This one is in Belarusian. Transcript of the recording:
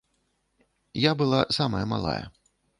Я была самая малая.